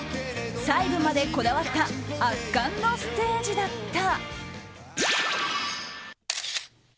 細部までこだわった圧巻のステージだった。